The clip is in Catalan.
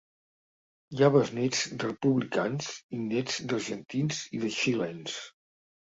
Hi ha besnéts de republicans i néts d’argentins i de xilens.